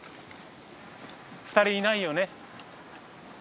２人いないよね？